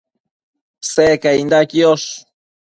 Secainda quiosh